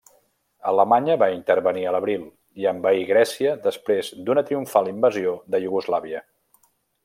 Alemanya va intervenir a l'abril, i envaí Grècia després d'una triomfal Invasió de Iugoslàvia.